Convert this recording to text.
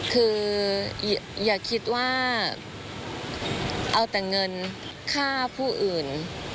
คืออย่าคิดว่าเอาแต่เงินฆ่าผู้อื่น